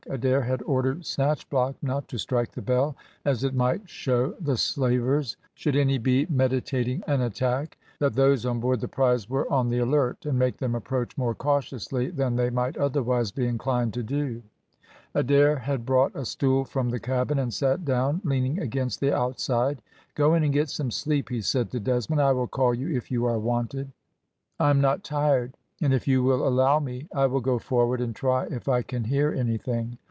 Adair had ordered Snatchblock not to strike the bell, as it might show the slavers, should any be meditating an attack, that those on board the prize were on the alert, and make them approach more cautiously than they might otherwise be inclined to do. Adair had brought a stool from the cabin, and sat down, leaning against the outside. "Go in and get some sleep," he said to Desmond, "I will call you if you are wanted." "I am not tired, and if you will allow me I will go forward and try if I can hear anything.